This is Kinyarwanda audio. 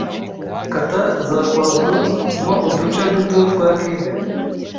Kata za Poivro mo uduce duto twa Cube.